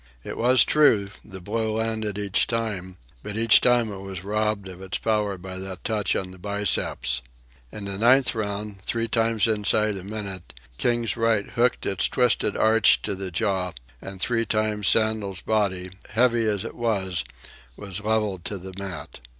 It was true, the blow landed each time; but each time it was robbed of its power by that touch on the biceps. In the ninth round, three times inside a minute, King's right hooked its twisted arch to the jaw; and three times Sandel's body, heavy as it was, was levelled to the mat.